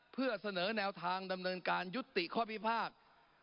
เพื่อเสนอแนวทางดำเนินการยุติข้อพิพากษ์